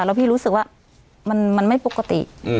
แล้วพี่รู้สึกว่ามันไม่ปกติ